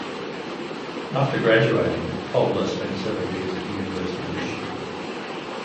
After graduating, Tobler spent several years at the University of Michigan.